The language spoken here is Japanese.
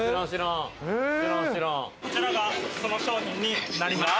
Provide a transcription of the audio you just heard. こちらが、その商品になります。